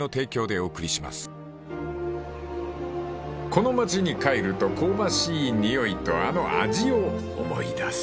［この町に帰ると香ばしい匂いとあの味を思い出す］